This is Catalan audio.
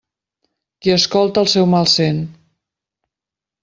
Qui escolta el seu mal sent.